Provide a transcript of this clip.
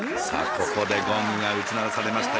ここでゴングが打ち鳴らされました